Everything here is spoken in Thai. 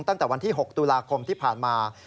ตั้งแต่วันที่๖ตุลาคมที่ผ่านมา